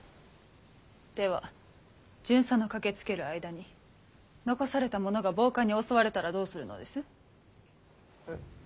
では巡査の駆けつける間に残された者が暴漢に襲われたらどうするのです？え？